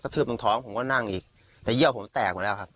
กระทืบหนึ่งท้องผมก็นั่งอีกแต่เยี่ยวผมแตกมาแล้วครับ